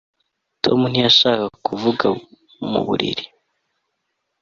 tom ntiyashakaga kuva mu buriri